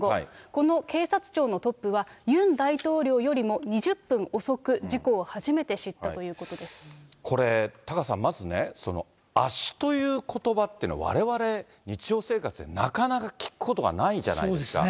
この警察庁のトップはユン大統領よりも２０分遅く事故を初めて知これ、タカさん、まずね、圧死ということばっていうのは、われわれ日常生活でなかなか聞くことがないじゃないですか。